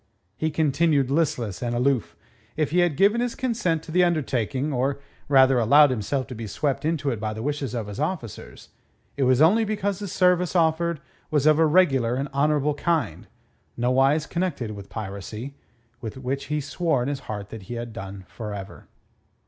He continued listless and aloof. If he had given his consent to the undertaking, or, rather, allowed himself to be swept into it by the wishes of his officers it was only because the service offered was of a regular and honourable kind, nowise connected with piracy, with which he swore in his heart that he had done for ever.